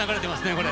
これ。